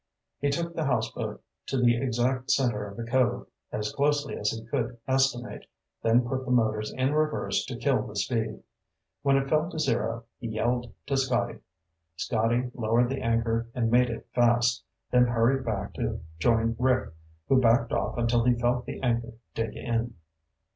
He took the houseboat to the exact center of the cove, as closely as he could estimate, then put the motors in reverse to kill the speed. When it fell to zero, he yelled to Scotty. Scotty lowered the anchor and made it fast, then hurried back to join Rick, who backed off until he felt the anchor dig in.